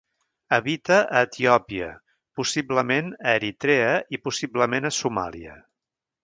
Habita a Etiòpia, possiblement a Eritrea i possiblement a Somàlia.